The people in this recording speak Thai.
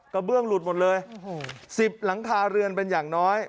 เบื้องหลุดหมดเลย๑๐หลังคาเรือนเป็นอย่างน้อย